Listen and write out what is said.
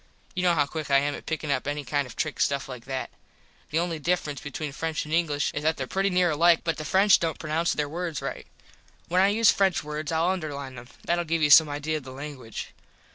You know how quick I am at pickin up any kind of trick stuff like that. The only difference between French and English is that there pretty near alike but the French dont pronounce there words right. When I use French words Ill underline them. Thatll give you some idea of the languige.